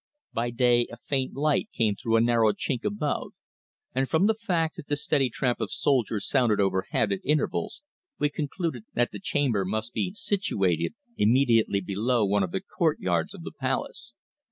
By day a faint light came through a narrow chink above, and from the fact that the steady tramp of soldiers sounded overhead at intervals we concluded that the chamber must be situated immediately below one of the courtyards of the palace.